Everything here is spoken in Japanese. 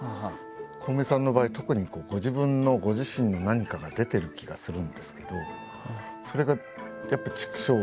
コウメさんの場合特にご自分のご自身の何かが出てる気がするんですけどそれがやっぱ「チクショー！！」